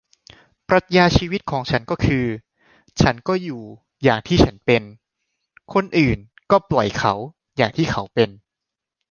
ปรัชญาชีวิตของฉันก็คือ ฉันก็อยู่อย่างที่ฉันเป็น คนอื่นก็ปล่อยเขาอย่างที่เขาเป็น